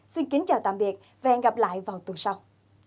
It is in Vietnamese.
xin kính chào tạm biệt và hẹn gặp lại vào tuần sau